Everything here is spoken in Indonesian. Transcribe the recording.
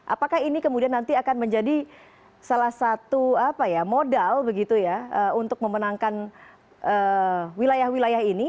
apakah ini kemudian nanti akan menjadi salah satu modal begitu ya untuk memenangkan wilayah wilayah ini